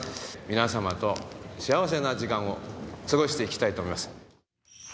皆様と幸せな時間を過ごしていきたいと思います。